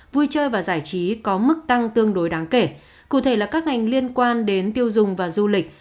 vui chơi và giải trí có mức tăng tương đối đáng kể cụ thể là các ngành liên quan đến tiêu dùng và du lịch